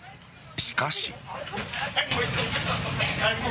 しかし。